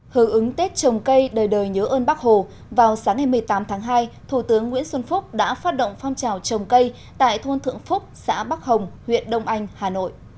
hướng ứng tết trồng cây đời đời nhớ ơn bác hồ vào sáng ngày một mươi tám tháng hai thủ tướng nguyễn xuân phúc đã phát động phong trào trồng cây tại thôn thượng phúc xã bắc hồng huyện đông anh hà nội